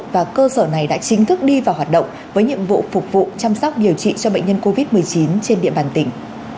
và cơ sở này đã chính thức đi vào hoạt động với nhiệm vụ phục vụ chăm sóc điều trị cho bệnh nhân covid một mươi chín trên địa bàn tỉnh